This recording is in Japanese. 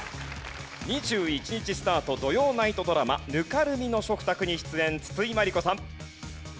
２１日スタート土曜ナイトドラマ『泥濘の食卓』に出演筒井真理子さん。